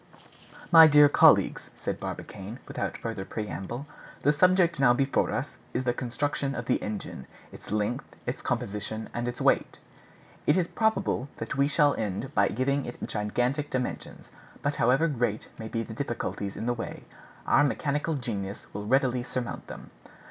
"My dear colleagues," said Barbicane, without further preamble, "the subject now before us is the construction of the engine, its length, its composition, and its weight. It is probable that we shall end by giving it gigantic dimensions; but however great may be the difficulties in the way, our mechanical genius will readily surmount them.